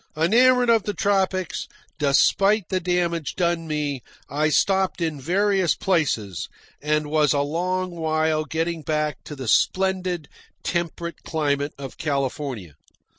Enamoured of the tropics, despite the damage done me, I stopped in various places, and was a long while getting back to the splendid, temperate climate of California.